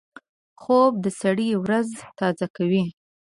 خوب د سړي ورځ تازه کوي